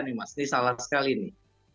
ini salah sekali